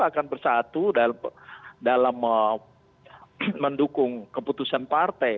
akan bersatu dalam mendukung keputusan partai